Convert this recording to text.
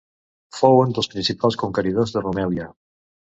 Fou un dels principals conqueridors de Rumèlia.